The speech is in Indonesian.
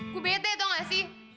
gue bete tau gak sih